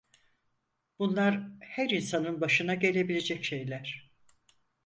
Bunlar her insanın başına gelebilecek şeyler...